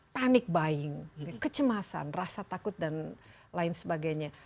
panic buying kecemasan rasa takut dan lain sebagainya